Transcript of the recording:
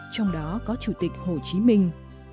trong đó có chủ tịch hồ chí minh